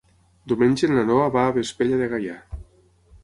Diumenge na Noa va a Vespella de Gaià.